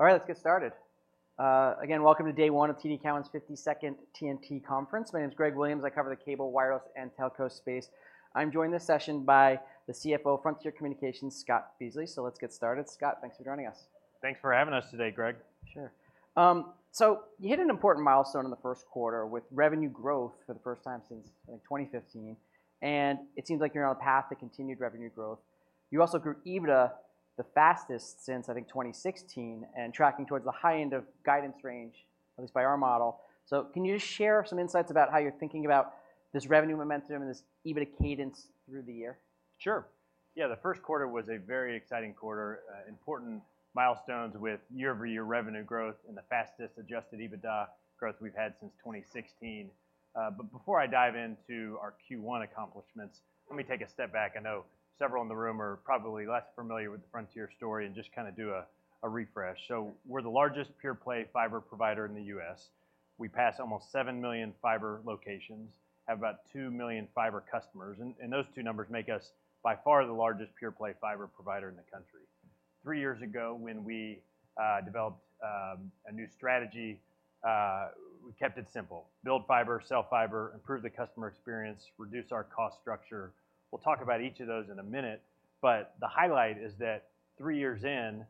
All right, let's get started. Again, welcome to day one of TD Cowen's 52nd TMT Conference. My name is Greg Williams. I cover the cable, wireless, and telco space. I'm joined this session by the CFO of Frontier Communications, Scott Beasley. So let's get started. Scott, thanks for joining us. Thanks for having us today, Greg. Sure. So you hit an important milestone in the Q1 with revenue growth for the first time since, like, 2015, and it seems like you're on a path to continued revenue growth. You also grew EBITDA the fastest since, I think, 2016, and tracking towards the high end of guidance range, at least by our model. So can you just share some insights about how you're thinking about this revenue momentum and this EBITDA cadence through the year? Sure. Yeah, the Q1 was a very exciting quarter, important milestones with year-over-year revenue growth and the fastest Adjusted EBITDA growth we've had since 2016. But before I dive into our Q1 accomplishments, let me take a step back. I know several in the room are probably less familiar with the Frontier story and just kinda do a refresh. So we're the largest pure play fiber provider in the U.S. We pass almost 7 million fiber locations, have about 2 million fiber customers, and those two numbers make us, by far, the largest pure play fiber provider in the country. 3 years ago, when we developed a new strategy, we kept it simple: build fiber, sell fiber, improve the customer experience, reduce our cost structure. We'll talk about each of those in a minute, but the highlight is that three years in,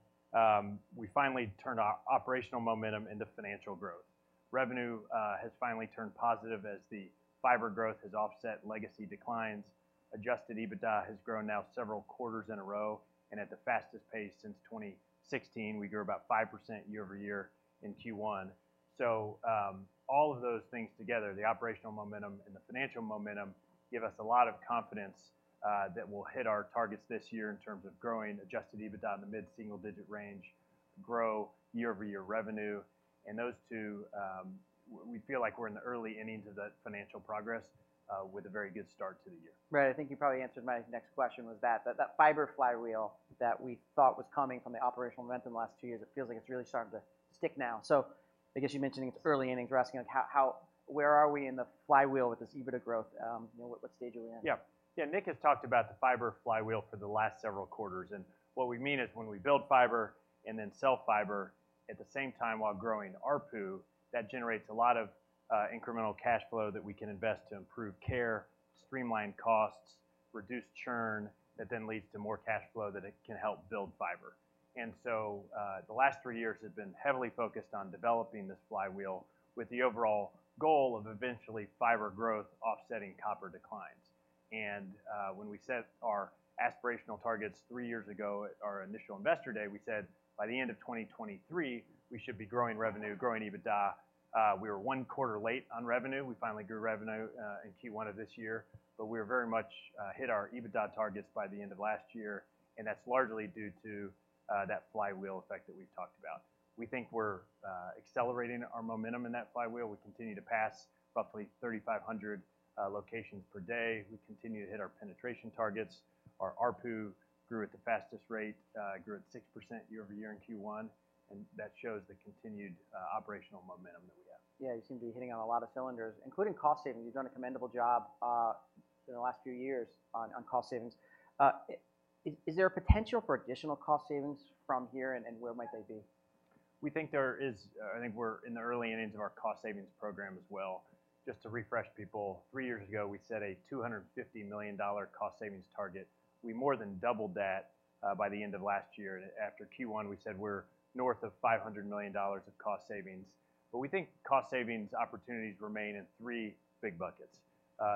we finally turned our operational momentum into financial growth. Revenue has finally turned positive as the fiber growth has offset legacy declines. Adjusted EBITDA has grown now several quarters in a row and at the fastest pace since 2016. We grew about 5% year-over-year in Q1. So, all of those things together, the operational momentum and the financial momentum, give us a lot of confidence that we'll hit our targets this year in terms of growing Adjusted EBITDA in the mid-single-digit range, grow year-over-year revenue, and those two, we feel like we're in the early innings of the financial progress with a very good start to the year. Right. I think you probably answered my next question, was that fiber flywheel that we thought was coming from the operational momentum the last two years, it feels like it's really starting to stick now. So I guess you mentioning it's early innings, we're asking, like, how—where are we in the flywheel with this EBITDA growth? You know, what stage are we in? Yeah. Yeah, Nick has talked about the fiber flywheel for the last several quarters, and what we mean is when we build fiber and then sell fiber at the same time while growing ARPU, that generates a lot of incremental cash flow that we can invest to improve care, streamline costs, reduce churn, that then leads to more cash flow that it can help build fiber. And so, the last three years have been heavily focused on developing this flywheel, with the overall goal of eventually fiber growth offsetting copper declines. And, when we set our aspirational targets three years ago at our initial Investor Day, we said by the end of 2023, we should be growing revenue, growing EBITDA. We were one quarter late on revenue. We finally grew revenue in Q1 of this year, but we very much hit our EBITDA targets by the end of last year, and that's largely due to that flywheel effect that we've talked about. We think we're accelerating our momentum in that flywheel. We continue to pass roughly 3,500 locations per day. We continue to hit our penetration targets. Our ARPU grew at the fastest rate, grew at 6% year-over-year in Q1, and that shows the continued operational momentum that we have. Yeah, you seem to be hitting on a lot of cylinders, including cost savings. You've done a commendable job in the last few years on cost savings. Is there a potential for additional cost savings from here, and where might they be? We think there is. I think we're in the early innings of our cost savings program as well. Just to refresh people, three years ago, we set a $250 million cost savings target. We more than doubled that by the end of last year. After Q1, we said we're north of $500 million of cost savings. But we think cost savings opportunities remain in three big buckets.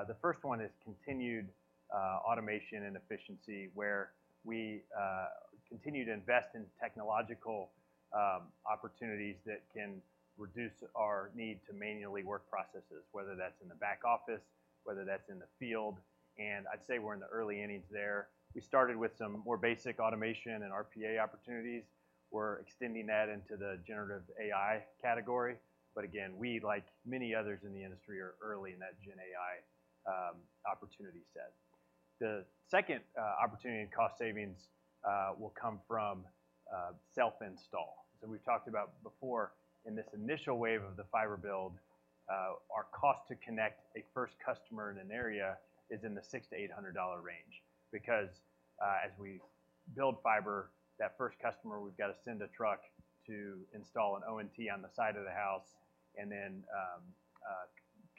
The first one is continued automation and efficiency, where we continue to invest in technological opportunities that can reduce our need to manually work processes, whether that's in the back office, whether that's in the field, and I'd say we're in the early innings there. We started with some more basic automation and RPA opportunities. We're extending that into the generative AI category, but again, we like many others in the industry are early in that gen AI opportunity set. The second opportunity in cost savings will come from self-install. So we've talked about before, in this initial wave of the fiber build, our cost to connect a first customer in an area is in the $600-$800 dollar range. Because, as we build fiber, that first customer, we've got to send a truck to install an ONT on the side of the house and then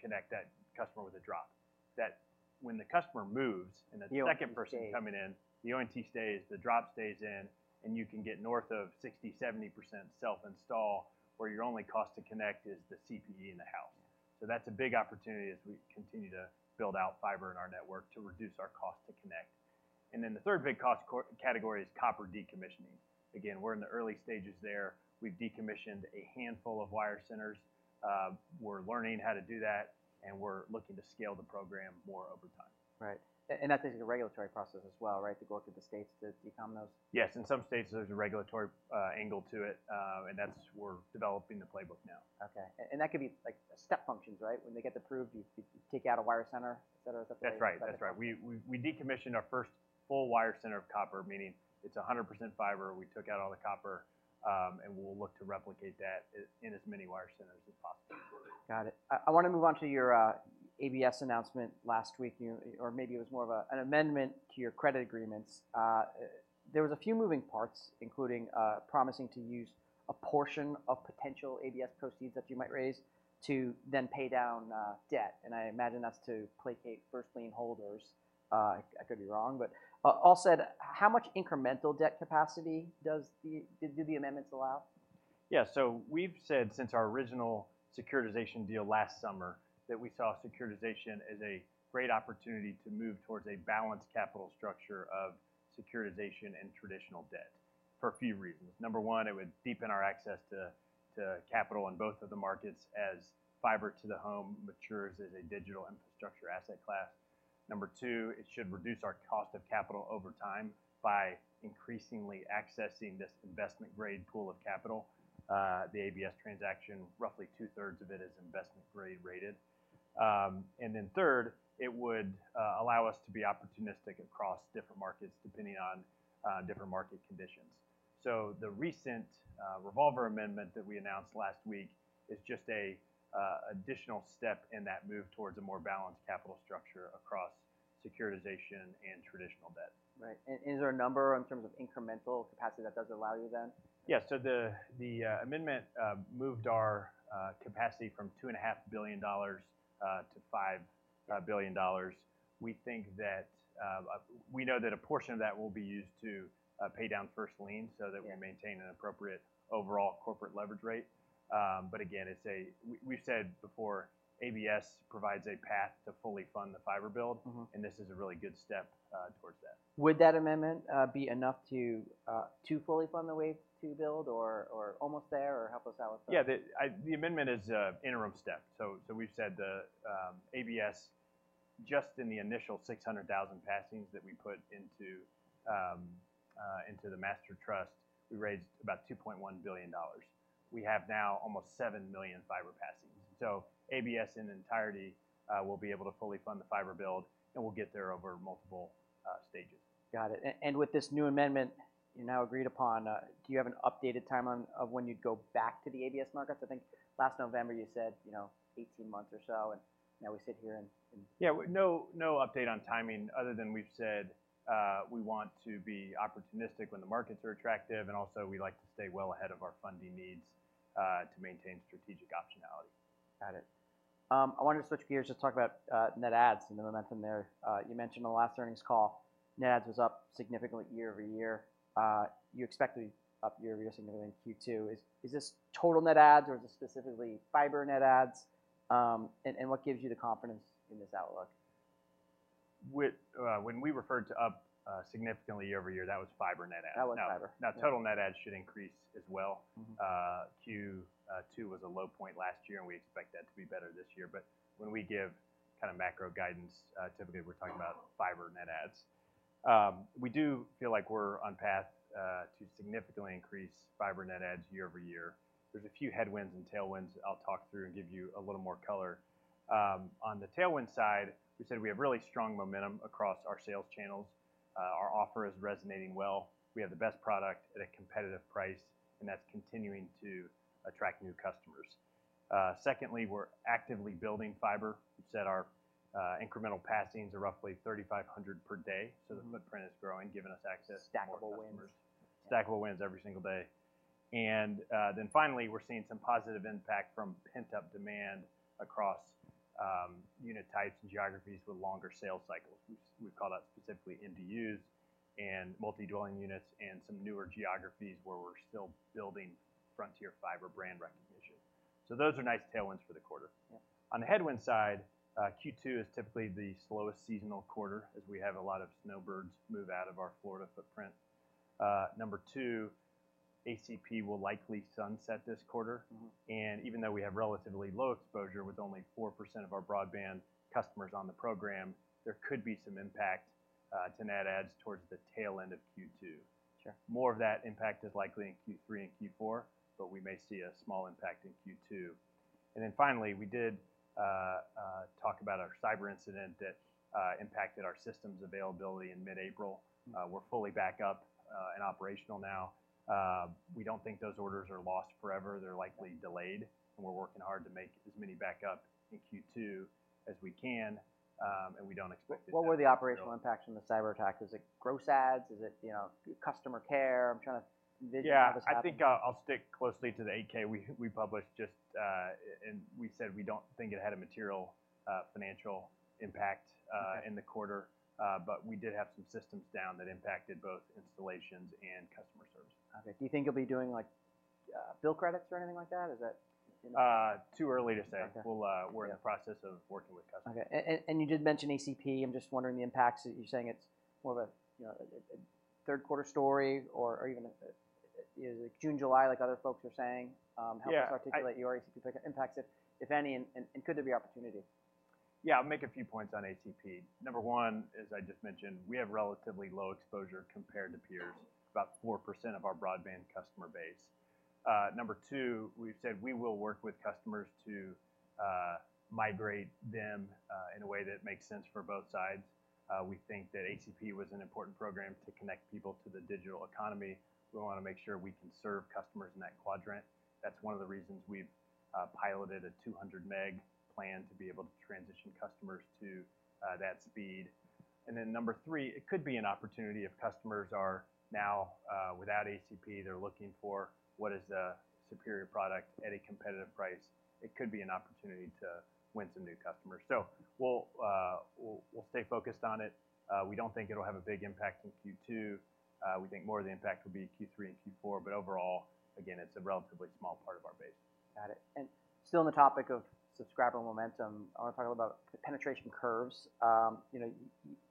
connect that customer with a drop. That when the customer moves- The ONT stays. and the second person coming in, the ONT stays, the drop stays in, and you can get north of 60%-70% self-install, where your only cost to connect is the CPE in the house. So that's a big opportunity as we continue to build out fiber in our network to reduce our cost to connect. And then the third big cost category is copper decommissioning. Again, we're in the early stages there. We've decommissioned a handful of wire centers. We're learning how to do that, and we're looking to scale the program more over time. Right. And that takes a regulatory process as well, right? To go through the states to decom those? Yes, in some states, there's a regulatory angle to it, and that's, we're developing the playbook now. Okay. And that could be like step functions, right? When they get approved, you take out a wire center, et cetera? That's right. That's right. We decommissioned our first full wire center of copper, meaning it's 100% fiber. We took out all the copper, and we'll look to replicate that in as many wire centers as possible. Got it. I wanna move on to your ABS announcement last week, or maybe it was more of an amendment to your credit agreement. There was a few moving parts, including promising to use a portion of potential ABS proceeds that you might raise to then pay down debt, and I imagine that's to placate first lien holders. I could be wrong, but all said, how much incremental debt capacity do the amendments allow? Yeah. So we've said since our original securitization deal last summer, that we saw securitization as a great opportunity to move towards a balanced capital structure of securitization and traditional debt, for a few reasons. Number one, it would deepen our access to capital in both of the markets as fiber to the home matures as a digital infrastructure asset class. Number two, it should reduce our cost of capital over time by increasingly accessing this investment grade pool of capital. The ABS transaction, roughly 2/3s of it is investment grade rated. And then third, it would allow us to be opportunistic across different markets, depending on different market conditions. So the recent revolver amendment that we announced last week is just a additional step in that move towards a more balanced capital structure across securitization and traditional debt. Right. And, is there a number in terms of incremental capacity that does allow you then? Yeah, so the amendment moved our capacity from $2.5 billion to $5 billion. We think that; we know that a portion of that will be used to pay down First Lien, so that- Yeah... we maintain an appropriate overall corporate leverage rate. But again, we've said before, ABS provides a path to fully fund the fiber build. Mm-hmm. This is a really good step towards that. Would that amendment be enough to fully fund the Wave 2 build or almost there? Or help us out with that. Yeah, the amendment is an interim step. So we've said the ABS, just in the initial 600,000 passings that we put into the master trust, we raised about $2.1 billion. We have now almost 7 million fiber passings. So ABS in entirety will be able to fully fund the fiber build, and we'll get there over multiple stages. Got it. And with this new amendment, you now agreed upon, do you have an updated timeline of when you'd go back to the ABS markets? I think last November, you said, you know, 18 months or so, and now we sit here and - Yeah, no, no update on timing, other than we've said, we want to be opportunistic when the markets are attractive, and also, we like to stay well ahead of our funding needs, to maintain strategic optionality. Got it. I wanted to switch gears to talk about net adds and the momentum there. You mentioned on the last earnings call, net adds was up significantly year-over-year. You expect to be up year-over-year significantly in Q2. Is this total net adds or is this specifically fiber net adds? And what gives you the confidence in this outlook? When we referred to up significantly year-over-year, that was fiber net adds. That was fiber. Now, total net adds should increase as well. Mm-hmm. Q2 was a low point last year, and we expect that to be better this year. But when we give kind of macro guidance, typically we're talking about fiber net adds. We do feel like we're on path to significantly increase fiber net adds year-over-year. There's a few headwinds and tailwinds I'll talk through and give you a little more color. On the tailwind side, we said we have really strong momentum across our sales channels. Our offer is resonating well. We have the best product at a competitive price, and that's continuing to attract new customers. Secondly, we're actively building fiber. We've said our incremental passings are roughly 3,500 per day. Mm-hmm. The footprint is growing, giving us access to more customers. Stackable wins. Stackable wins every single day. And then finally, we're seeing some positive impact from pent-up demand across unit types and geographies with longer sales cycles. We call that specifically NDUs and Multi-Dwelling Units, and some newer geographies where we're still building Frontier Fiber brand recognition. So those are nice tailwinds for the quarter. Yeah. On the headwind side, Q2 is typically the slowest seasonal quarter, as we have a lot of snowbirds move out of our Florida footprint. Number two, ACP will likely sunset this quarter. Mm-hmm. Even though we have relatively low exposure with only 4% of our broadband customers on the program, there could be some impact to net adds towards the tail end of Q2. Sure. More of that impact is likely in Q3 and Q4, but we may see a small impact in Q2. And then finally, we did talk about our cyber incident that impacted our systems availability in mid-April. Mm-hmm. We're fully back up and operational now. We don't think those orders are lost forever. They're likely delayed, and we're working hard to make as many back up in Q2 as we can. And we don't expect it to- What were the operational impacts from the cyberattack? Is it gross adds? Is it, you know, customer care? I'm trying to visualize what happened. Yeah. I think I'll stick closely to the 8-K we published just, and we said we don't think it had a material financial impact... in the quarter. But we did have some systems down that impacted both installations and customer service. Okay. Do you think you'll be doing like, bill credits or anything like that? Is that, you know- Too early to say. Okay. We're in the process of working with customers. Okay. And you did mention ACP. I'm just wondering the impacts. You're saying it's more of a, you know, a Q3 story, or even if it is June, July, like other folks are saying? Yeah, I- Help us articulate your ACP impacts, if any, and could there be opportunity? Yeah, I'll make a few points on ACP. Number one, as I just mentioned, we have relatively low exposure compared to peers. About 4% of our broadband customer base. Number two, we've said we will work with customers to migrate them in a way that makes sense for both sides. We think that ACP was an important program to connect people to the digital economy. We wanna make sure we can serve customers in that quadrant. That's one of the reasons we've piloted a 200 meg plan to be able to transition customers to that speed. And then number three, it could be an opportunity if customers are now without ACP, they're looking for what is a superior product at a competitive price. It could be an opportunity to win some new customers. So we'll stay focused on it. We don't think it'll have a big impact in Q2. We think more of the impact will be Q3 and Q4, but overall, again, it's a relatively small part of our base. Got it. Still on the topic of subscriber momentum, I want to talk a little about the penetration curves. You know,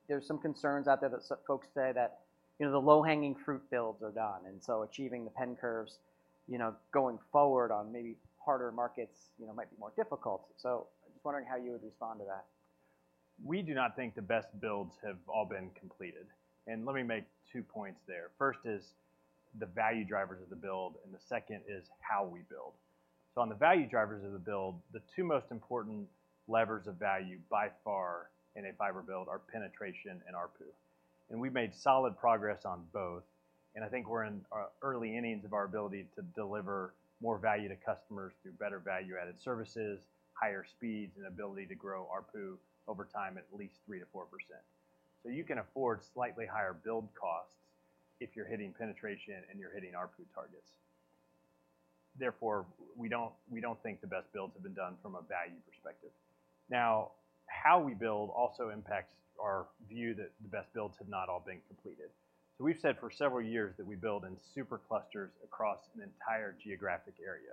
there are some concerns out there that some folks say that, you know, the low-hanging fruit builds are done, and so achieving the pen curves, you know, going forward on maybe harder markets, you know, might be more difficult. I'm just wondering how you would respond to that. We do not think the best builds have all been completed. Let me make two points there. First is the value drivers of the build, and the second is how we build. So on the value drivers of the build, the two most important levers of value by far in a fiber build are penetration and ARPU. And we've made solid progress on both, and I think we're in early innings of our ability to deliver more value to customers through better value-added services, higher speeds, and ability to grow ARPU over time at least 3%-4%. So you can afford slightly higher build costs if you're hitting penetration and you're hitting ARPU targets. Therefore, we don't, we don't think the best builds have been done from a value perspective. Now, how we build also impacts our view that the best builds have not all been completed. So we've said for several years that we build in super clusters across an entire geographic area.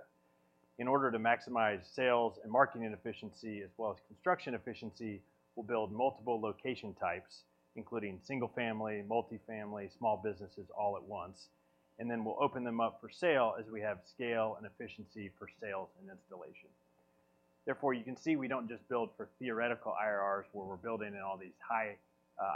In order to maximize sales and marketing efficiency, as well as construction efficiency, we'll build multiple location types, including single-family, multifamily, small businesses all at once, and then we'll open them up for sale as we have scale and efficiency for sales and installation. Therefore, you can see we don't just build for theoretical IRRs, where we're building in all these high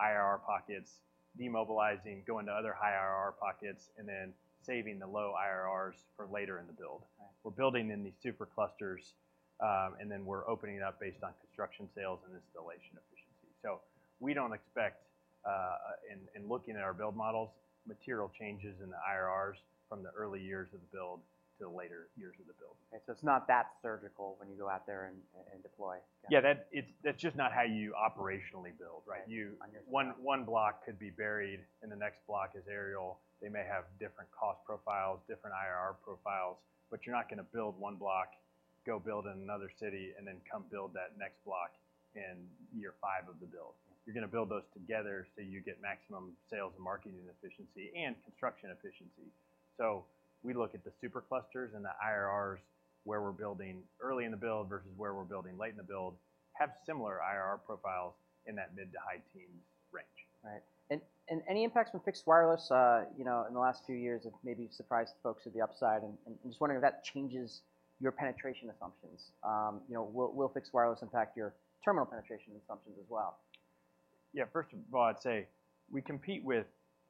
IRR pockets, demobilizing, going to other high IRR pockets, and then saving the low IRRs for later in the build. Right. We're building in these Super Clusters, and then we're opening it up based on construction, sales, and installation efficiency. We don't expect, in looking at our build models, material changes in the IRRs from the early years of the build to the later years of the build. Okay, so it's not that surgical when you go out there and deploy? Yeah, that's just not how you operationally build, right? Right. One block could be buried, and the next block is aerial. They may have different cost profiles, different IRR profiles, but you're not going to build one block, go build in another city, and then come build that next block in year 5 of the build. You're going to build those together so you get maximum sales and marketing efficiency and construction efficiency. So we look at the Super Clusters and the IRRs, where we're building early in the build versus where we're building late in the build, have similar IRR profiles in that mid- to high-teens range. Right. And any impacts from fixed wireless, you know, in the last few years have maybe surprised folks with the upside, and I'm just wondering if that changes your penetration assumptions. You know, will fixed wireless impact your terminal penetration assumptions as well? Yeah, first of all, I'd say we compete with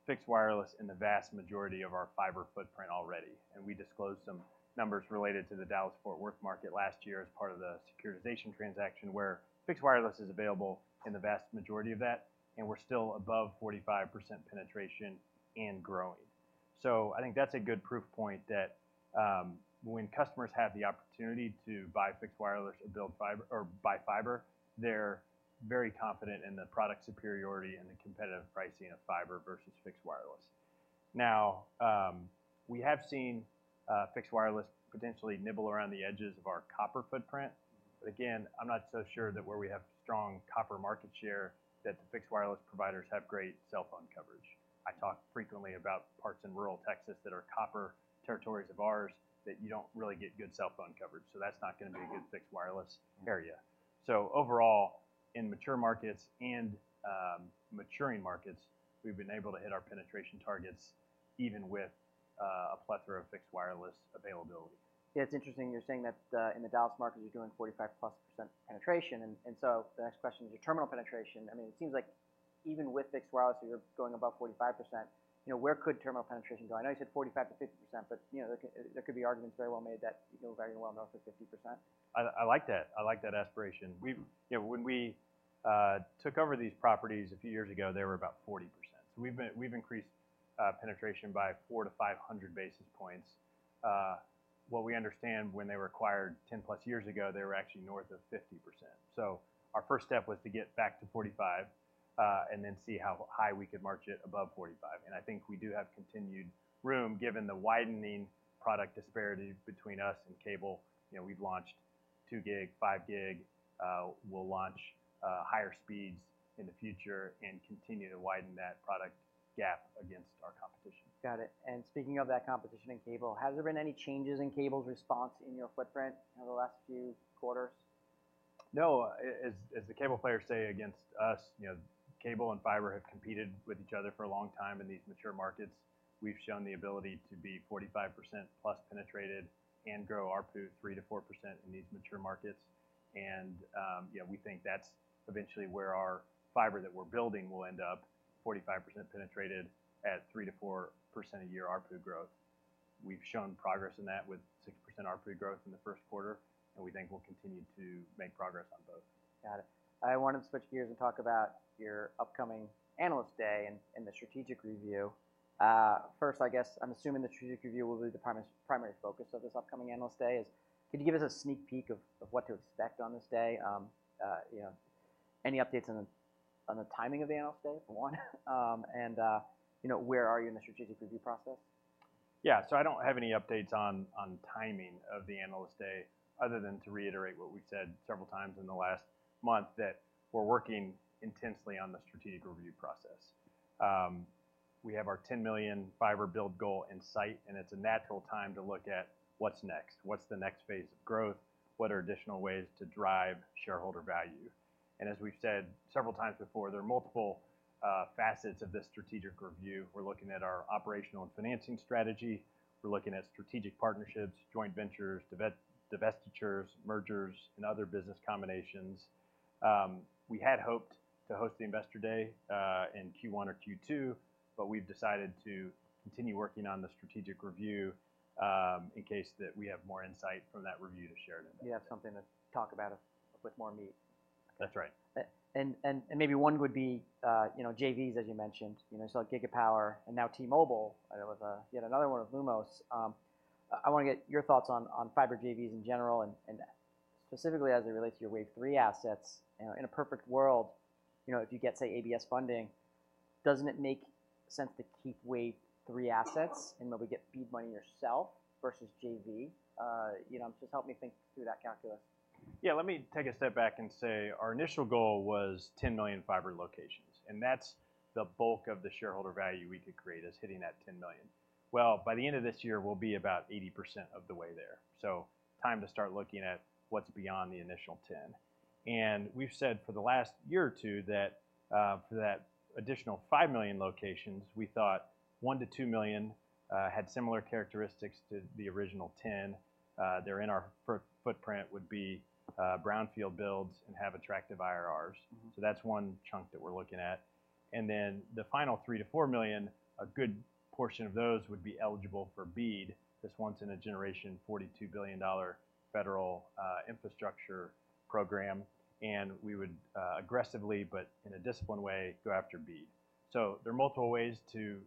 fixed wireless in the vast majority of our fiber footprint already, and we disclosed some numbers related to the Dallas Fort Worth market last year as part of the securitization transaction, where fixed wireless is available in the vast majority of that, and we're still above 45% penetration and growing. So I think that's a good proof point that, when customers have the opportunity to buy fixed wireless or build fiber, or buy fiber, they're very confident in the product superiority and the competitive pricing of fiber versus fixed wireless. Now, we have seen fixed wireless potentially nibble around the edges of our copper footprint. But again, I'm not so sure that where we have strong copper market share, that the fixed wireless providers have great cell phone coverage. I talk frequently about parts in rural Texas that are copper territories of ours, that you don't really get good cell phone coverage, so that's not going to be a good fixed wireless area. So overall, in mature markets and maturing markets, we've been able to hit our penetration targets even with a plethora of fixed wireless availability. Yeah, it's interesting you're saying that in the Dallas market, you're doing 45%+ penetration, and so the next question is your terminal penetration. I mean, it seems like even with fixed wireless, you're going above 45%. You know, where could terminal penetration go? I know you said 45%-50%, but you know, there could be arguments very well made that you go very well north of 50%. I like that. I like that aspiration. We've, when we took over these properties a few years ago, they were about 40%. So we've been, we've increased penetration by 400-500 basis points. What we understand, when they were acquired 10+ years ago, they were actually north of 50%. So our first step was to get back to 45, and then see how high we could march it above 45. And I think we do have continued room, given the widening product disparity between us and cable. You know, we've launched 2-gig, 5-gig, we'll launch higher speeds in the future and continue to widen that product gap against our competition. Got it. Speaking of that competition in cable, has there been any changes in cable's response in your footprint over the last few quarters? No. As, as the cable players say against us, you know, cable and fiber have competed with each other for a long time in these mature markets. We've shown the ability to be 45% plus penetrated and grow ARPU 3%-4% in these mature markets, and, yeah, we think that's eventually where our fiber that we're building will end up, 45% penetrated at 3%-4% a year ARPU growth. We've shown progress in that with 6% ARPU growth in the Q1, and we think we'll continue to make progress on both. Got it. I wanted to switch gears and talk about your upcoming Analyst Day and the strategic review. First, I guess I'm assuming the strategic review will be the primary focus of this upcoming Analyst Day. Could you give us a sneak peek of what to expect on this day? You know, any updates on the timing of the Analyst Day, for one, and you know, where are you in the strategic review process? Yeah, so I don't have any updates on timing of the Analyst Day, other than to reiterate what we've said several times in the last month, that we're working intensely on the strategic review process. We have our 10 million fiber build goal in sight, and it's a natural time to look at what's next. What's the next phase of growth? What are additional ways to drive shareholder value? And as we've said several times before, there are multiple facets of this strategic review. We're looking at our operational and financing strategy. We're looking at strategic partnerships, joint ventures, divestitures, mergers, and other business combinations. We had hoped to host the Investor Day in Q1 or Q2, but we've decided to continue working on the strategic review, in case that we have more insight from that review to share today. We have something to talk about with more meat. That's right. Maybe one would be, you know, JVs, as you mentioned, you know, so like Gigapower and now T-Mobile with yet another one with Lumos. I wanna get your thoughts on fiber JVs in general and specifically as it relates to your Wave 3 assets. You know, in a perfect world, you know, if you get, say, ABS funding, doesn't it make sense to keep Wave3 assets and maybe get BEAD fund yourself versus JV? You know, just help me think through that calculus. Yeah, let me take a step back and say our initial goal was 10 million fiber locations, and that's the bulk of the shareholder value we could create is hitting that 10 million. Well, by the end of this year, we'll be about 80% of the way there. So time to start looking at what's beyond the initial 10. And we've said for the last year or two that, for that additional 5 million locations, we thought 1-2 million had similar characteristics to the original 10. They're in our footprint, would be brownfield builds and have attractive IRRs. Mm-hmm. So that's one chunk that we're looking at. And then the final 3-4 million, a good portion of those would be eligible for BEAD, this once-in-a-generation, $42 billion federal infrastructure program. And we would aggressively, but in a disciplined way, go after BEAD. So there are multiple ways to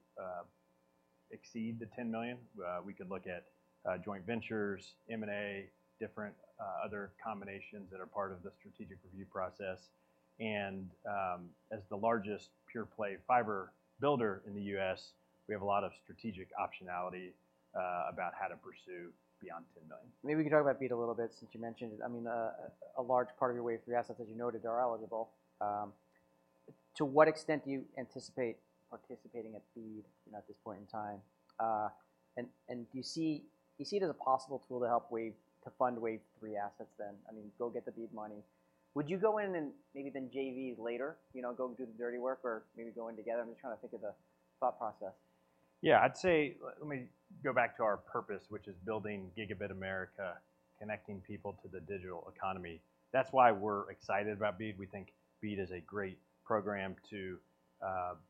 exceed the 10 million. We could look at joint ventures, M&A, different other combinations that are part of the strategic review process. And as the largest pure-play fiber builder in the U.S., we have a lot of strategic optionality about how to pursue beyond 10 million. Maybe we can talk about BEAD a little bit since you mentioned it. I mean, a large part of your Wave 3 assets, as you noted, are eligible. To what extent do you anticipate participating at BEAD, you know, at this point in time? And do you see—do you see it as a possible tool to help Wave, to fund Wave 3 assets, then? I mean, go get the BEAD money. Would you go in and maybe then JV later, you know, go do the dirty work or maybe go in together? I'm just trying to think of the thought process. Yeah, I'd say, let me go back to our purpose, which is building Gigabit America, connecting people to the digital economy. That's why we're excited about BEAD. We think BEAD is a great program to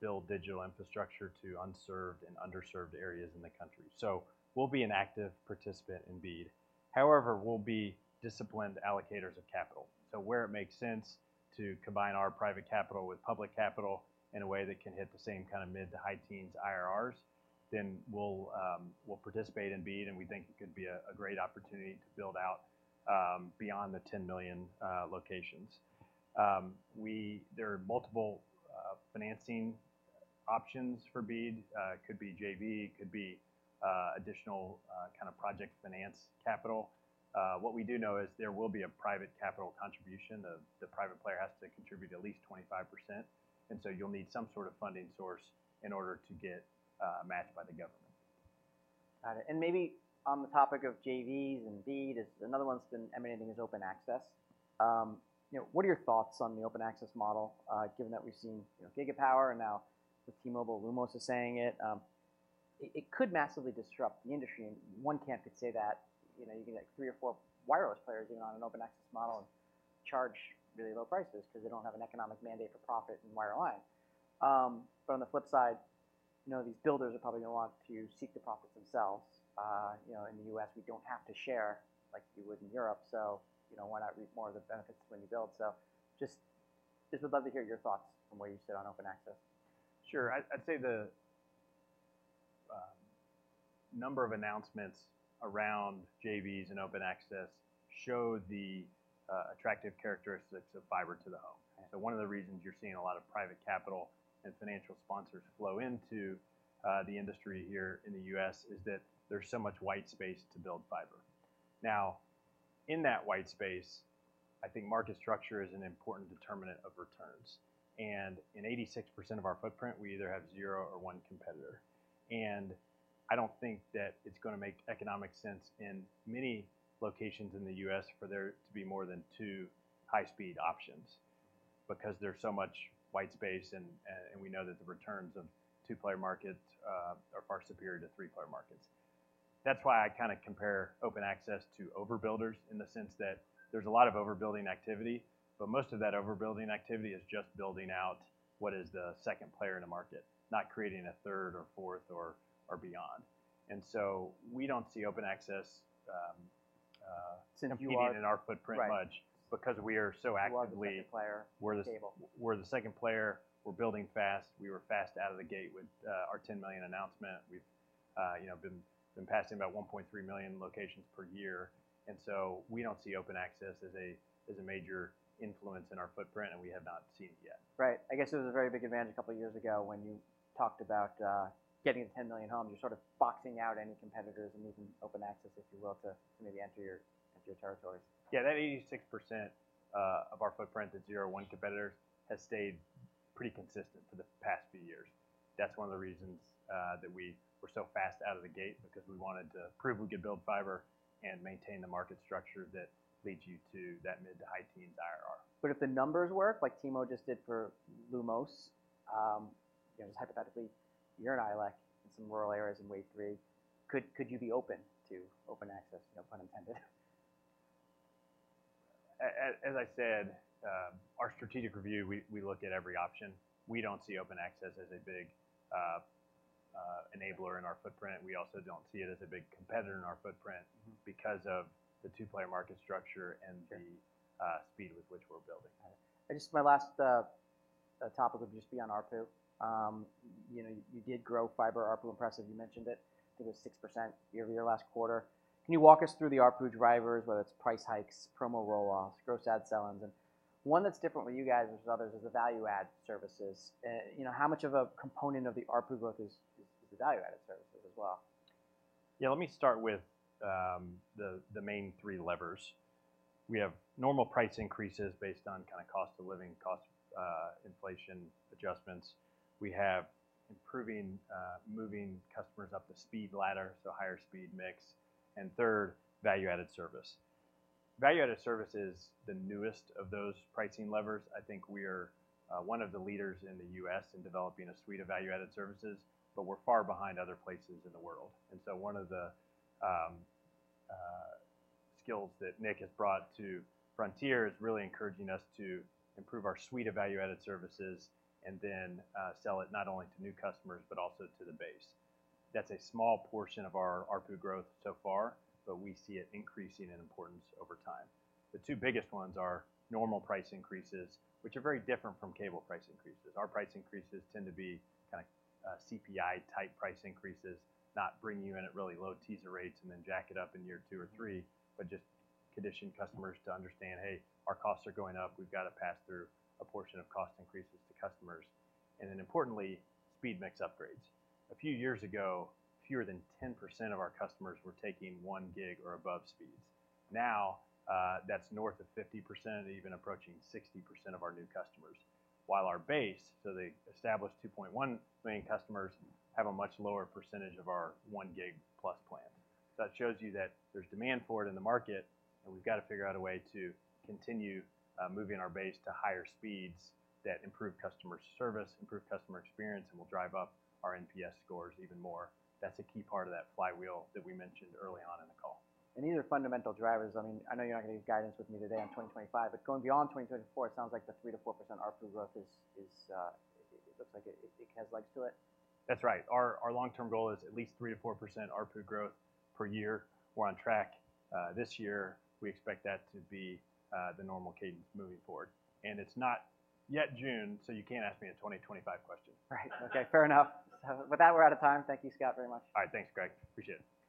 build digital infrastructure to unserved and underserved areas in the country. So we'll be an active participant in BEAD. However, we'll be disciplined allocators of capital. So where it makes sense to combine our private capital with public capital in a way that can hit the same kind of mid- to high-teens IRRs, then we'll participate in BEAD, and we think it could be a great opportunity to build out beyond the 10 million locations. There are multiple financing options for BEAD. It could be JV, it could be additional kind of project finance capital. What we do know is there will be a private capital contribution. The, the private player has to contribute at least 25%, and so you'll need some sort of funding source in order to get a match by the government. Got it. Maybe on the topic of JVs and BEAD, another one that's been emanating is open access. You know, what are your thoughts on the open access model, given that we've seen, you know, Gigapower and now with T-Mobile, Lumos is saying it? It could massively disrupt the industry, and one camp could say that, you know, you can get three or four wireless players in on an open access model and charge really low prices because they don't have an economic mandate for profit in wireline. But on the flip side, you know, these builders are probably gonna want to seek the profits themselves. You know, in the U.S., we don't have to share like you would in Europe, so, you know, why not reap more of the benefits when you build? So just would love to hear your thoughts from where you sit on open access. Sure. I'd say the number of announcements around JVs and open access show the attractive characteristics of fiber to the home. Okay. So one of the reasons you're seeing a lot of private capital and financial sponsors flow into the industry here in the US is that there's so much white space to build fiber. Now, in that white space, I think market structure is an important determinant of returns, and in 86% of our footprint, we either have zero or one competitor. And I don't think that it's gonna make economic sense in many locations in the US for there to be more than two high-speed options, because there's so much white space, and we know that the returns of two-player markets are far superior to three-player markets. That's why I kinda compare open access to overbuilders in the sense that there's a lot of overbuilding activity, but most of that overbuilding activity is just building out what is the second player in the market, not creating a third or fourth, or beyond. And so we don't see open access. [So you are...] In our footprint because we are so actively- You are the second player in the table. We're the second player. We're building fast. We were fast out of the gate with our 10 million announcement. We've, you know, been passing about 1.3 million locations per year, and so we don't see open access as a major influence in our footprint, and we have not seen it yet. Right. I guess it was a very big advantage a couple of years ago when you talked about getting to 10 million homes. You're sort of boxing out any competitors and even open access, if you will, to maybe enter your territories. Yeah, that 86% of our footprint at zero or one competitor has stayed pretty consistent for the past few years. That's one of the reasons that we were so fast out of the gate, because we wanted to prove we could build fiber and maintain the market structure that leads you to that mid- to high-teens IRR. But if the numbers work, like T-mo just did for Lumos, you know, just hypothetically, you're an ILEC in some rural areas in Wave 3, could you be open to open access, no pun intended? As I said, our strategic review, we look at every option. We don't see open access as a big enabler in our footprint. We also don't see it as a big competitor in our footprint- Mm-hmm. -because of the two-player market structure and the- Okay... speed with which we're building. I just, my last topic would just be on ARPU. You know, you did grow fiber ARPU, impressive, you mentioned it. I think it was 6% year-over-year, last quarter. Can you walk us through the ARPU drivers, whether it's price hikes, promo roll-offs, gross add sell-ins? And one that's different with you guys than others is the value-add services. You know, how much of a component of the ARPU growth is, is the value-added services as well? Yeah, let me start with the main three levers. We have normal price increases based on kinda cost of living, cost, inflation adjustments. We have improving moving customers up the speed ladder, so higher speed mix, and third, value-added service. Value-added service is the newest of those pricing levers. I think we are one of the leaders in the U.S. in developing a suite of value-added services, but we're far behind other places in the world. And so one of the skills that Nick has brought to Frontier is really encouraging us to improve our suite of value-added services, and then sell it not only to new customers, but also to the base. That's a small portion of our ARPU growth so far, but we see it increasing in importance over time. The two biggest ones are normal price increases, which are very different from cable price increases. Our price increases tend to be kinda, CPI-type price increases, not bringing you in at really low teaser rates and then jack it up in year 2 or 3, but just condition customers to understand, hey, our costs are going up. We've got to pass through a portion of cost increases to customers. And then importantly, speed mix upgrades. A few years ago, fewer than 10% of our customers were taking one gig or above speeds. Now, that's north of 50% and even approaching 60% of our new customers. While our base, so the established 2.1 million customers, have a much lower percentage of our one gig plus plan. That shows you that there's demand for it in the market, and we've got to figure out a way to continue moving our base to higher speeds that improve customer service, improve customer experience, and will drive up our NPS scores even more. That's a key part of that flywheel that we mentioned early on in the call. These are fundamental drivers. I mean, I know you're not giving guidance with me today on 2025, but going beyond 2024, it sounds like the 3%-4% ARPU growth is, it looks like it, it has legs to it? That's right. Our, our long-term goal is at least 3%-4% ARPU growth per year. We're on track. This year, we expect that to be the normal cadence moving forward. And it's not yet June, so you can't ask me a 2025 question. Right. Okay, fair enough. So with that, we're out of time. Thank you, Scott, very much. All right. Thanks, Greg. Appreciate it.